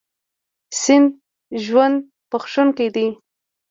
سیند ژوند بښونکی دی.